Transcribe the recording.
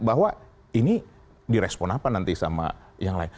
bahwa ini direspon apa nanti sama yang lain